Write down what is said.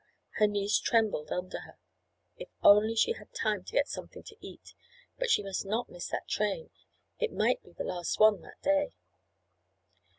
Her knees trembled under her. If only she had time to get something to eat! But she must not miss that train. It might be the last one that day.